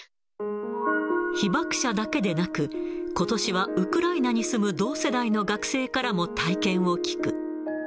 被爆者だけでなく、ことしは、ウクライナに住む同世代の学生からも体験を聞く。